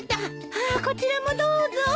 あこちらもどうぞ。